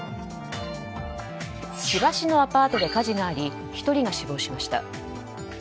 千葉市のアパートで火事があり１人が死亡しました。